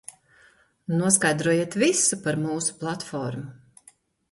Noskaidrojiet visu par mūsu platformu.